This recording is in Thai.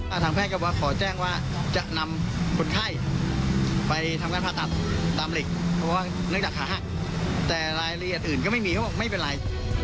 ทางแพทย์ก็ว่าขอแจ้งว่าจะนำคนไข้ไปทำการผ่าตัดตามเหล็กเพราะว่าเนื่องจากขาหักแต่รายละเอียดอื่นก็ไม่มีเขาบอกไม่เป็นไร